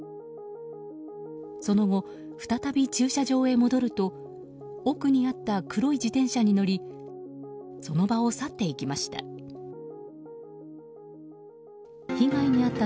その後、再び駐車場へ戻ると奥にあった黒い自転車に乗りその場を去っていきました。